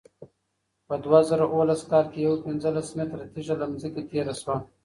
په دوه زره اوولس کال کې یوه پنځلس متره تېږه له ځمکې تېره شوه.